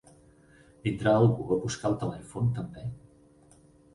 Vindrà algú a buscar el telèfon també?